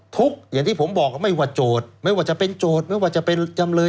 ทุกข์อย่างที่ผมบอกไม่ว่าโจทย์ไม่ว่าจะเป็นโจทย์ไม่ว่าจะเป็นจำเลย